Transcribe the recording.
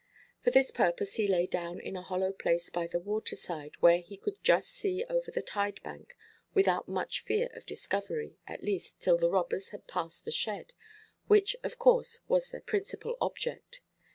For this purpose he lay down in a hollow place by the water–side, where he could just see over the tide–bank without much fear of discovery, at least, till the robbers had passed the shed, which, of course, was their principal object.